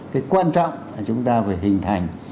cái quan trọng là chúng ta phải hình thành